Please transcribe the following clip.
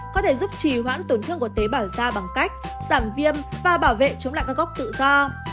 có thể giúp trì hoãn tổn thương của tế bảo da bằng cách giảm viêm và bảo vệ chống lại các gốc tự do